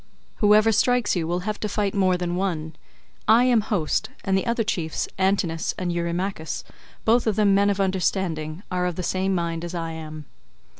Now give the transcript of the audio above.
Whoever strikes you will have to fight more than one. I am host, and the other chiefs, Antinous and Eurymachus, both of them men of understanding, are of the same mind as I am."